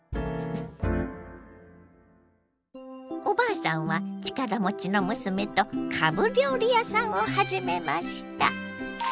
おばあさんは力持ちの娘とかぶ料理屋さんを始めました。